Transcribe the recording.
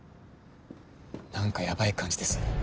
何かヤバい感じです